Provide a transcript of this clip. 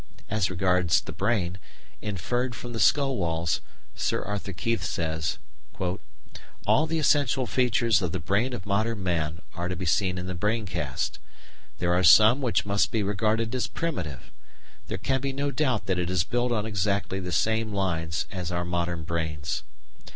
As regards the brain, inferred from the skull walls, Sir Arthur Keith says: All the essential features of the brain of modern man are to be seen in the brain cast. There are some which must be regarded as primitive. There can be no doubt that it is built on exactly the same lines as our modern brains.